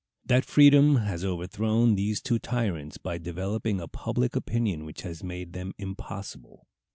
That freedom has overthrown those two tyrants by developing a public opinion which has made them impossible.